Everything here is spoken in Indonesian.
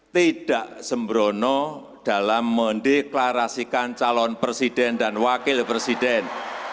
tidak sembrono dalam mendeklarasikan calon presiden dan wakil presiden dua ribu dua puluh empat